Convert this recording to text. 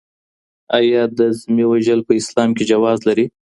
آیا د ذمي وژل په اسلام کي جواز لري؟